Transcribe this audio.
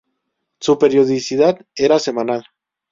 Su periodicidad era semanal.